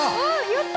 やった！